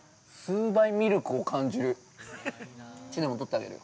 ◆数倍ミルクを感じる。